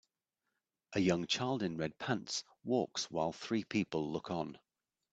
A young child in red pants walks while three people look on.